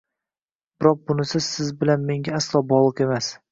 Biroq bunisi siz bilan menga aslo bog‘liq emas